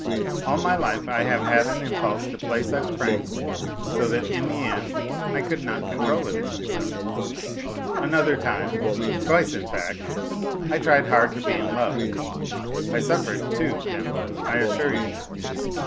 All my life I have had an impulse to play such pranks, so that in the end I could not control it in myself. Another time, twice, 62 NOTES FROM UNDERGROUND in fact, I tried hard to be in love. I suffered, too, gentlemen, I assure you.